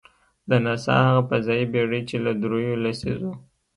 د ناسا هغه فضايي بېړۍ، چې له درېیو لسیزو .